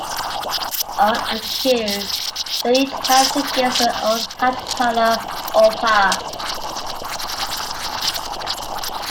On a cue, they each have to guess their own hat color or pass.